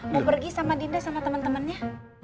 mau pergi sama dinda sama temen temennya